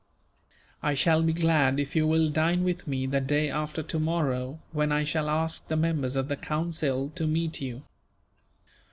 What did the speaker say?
"I shall be glad if you will dine with me, the day after tomorrow, when I shall ask the members of the Council to meet you."